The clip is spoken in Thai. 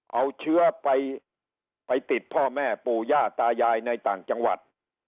เอาเชื้อไปไปติดพ่อแม่ปู่ย่าตายายในต่างจังหวัด